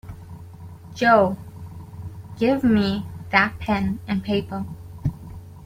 Jo, give me that pen and paper.